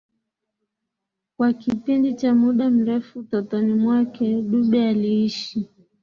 Kwa kipindi cha muda mrefu utotoni mwake Dube aliishi